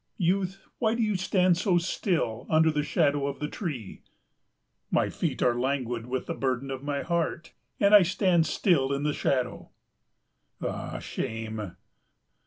"Youth, why do you stand so still under the shadow of the tree?" "My feet are languid with the burden of my heart, and I stand still in the shadow." "Ah, shame!"